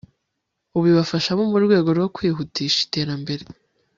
ibibafashamo mu rwego rwo kwihutisha iterambere